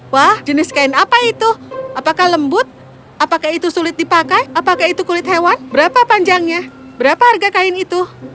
wah jenis kain apa itu apakah lembut apakah itu sulit dipakai apakah itu kulit hewan berapa panjangnya berapa harga kain itu